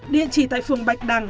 địa chỉ tại phường bạch đằng